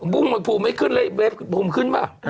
บุ้งมันภูมิไม่ขึ้นแล้วเวฟภูมิขึ้นป่ะ